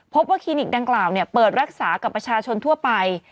คลินิกดังกล่าวเปิดรักษากับประชาชนทั่วไป